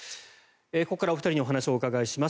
ここからお二人にお話をお伺いします。